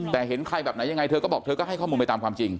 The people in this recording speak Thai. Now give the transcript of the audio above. แต่เห็นใครแบบไหนยังไงเธอก็บอกเธอก็ให้ข้อมูลไปตามความจริง